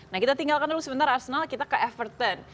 nah kita tinggalkan dulu sebentar arsenal kita ke everton